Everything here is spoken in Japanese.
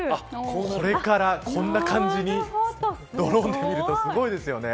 これから、こんな感じにドローンで見るとすごいですよね。